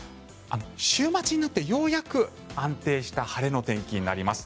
週末になってようやく安定した晴れの天気になります。